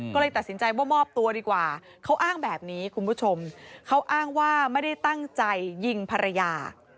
ก็เลยตัดสินใจว่ามอบตัวดีกว่าเขาอ้างแบบนี้คุณผู้ชมเขาอ้างว่าไม่ได้ตั้งใจยิงภรรยา